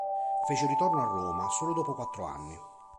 Fece ritorno a Roma solo dopo quattro anni.